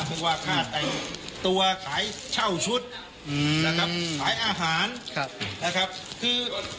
เพราะว่าค่าแต่งตัวขายเช่าชุดนะครับขายอาหารครับนะครับคือ